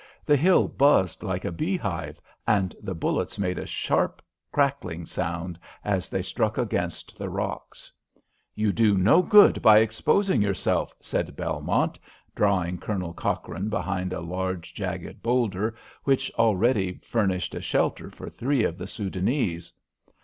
The hill buzzed like a bee hive, and the bullets made a sharp, crackling sound as they struck against the rocks. [Illustration: You do no good by exposing yourself p86] "You do no good by exposing yourself," said Belmont, drawing Colonel Cochrane behind a large jagged boulder, which already furnished a shelter for three of the Soudanese.